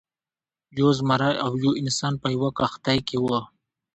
یو زمری او یو انسان په یوه کښتۍ کې وو.